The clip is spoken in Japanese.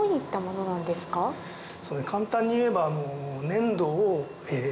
簡単にいえば。